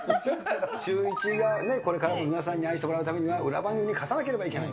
シューイチがこれからも皆さんに愛してもらうためには、裏番組に勝たなければいけない。